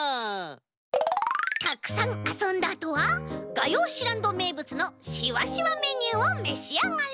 たくさんあそんだあとはがようしランドめいぶつのしわしわメニューをめしあがれ！